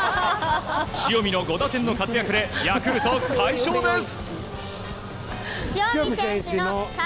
塩見の５打点の活躍でヤクルト、快勝です。